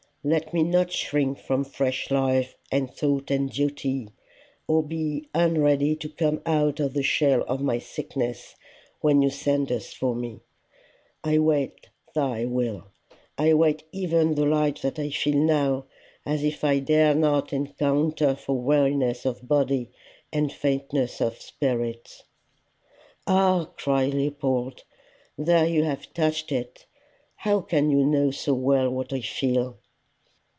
Let me not shrink from fresh life and thought and duty, or be unready to come out of the shell of my sickness when thou sendest for me. I wait thy will. I wait even the light that I feel now as if I dared not encounter for weariness of body and faintness of spirit.'" "Ah!" cried Leopold, "there you have touched it! How can you know so well what I feel?"